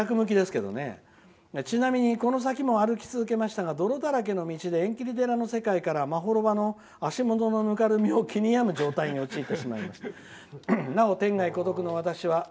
ちなみにこの先も歩き続けましたが泥だらけの道で「縁切寺」の世界から足場のぬかるみを気に病む状態に陥りました。